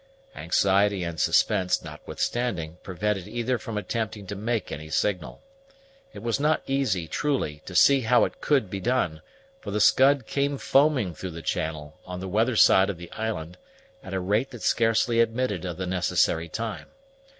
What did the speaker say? Anxiety and suspense, notwithstanding, prevented either from attempting to make any signal. It was not easy, truly, to see how it could be done; for the Scud came foaming through the channel, on the weather side of the island, at a rate that scarcely admitted of the necessary time.